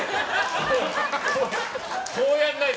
こうやらないと。